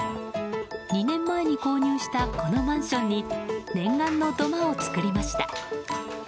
２年前に購入したこのマンションに念願の土間を作りました。